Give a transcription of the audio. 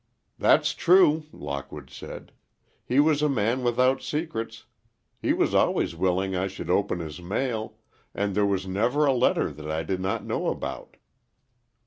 "That's true," Lockwood said. "He was a man without secrets. He was always willing I should open his mail, and there was never a letter that I did not know about."